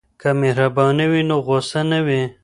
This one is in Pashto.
که مهرباني وي نو غوسه نه وي.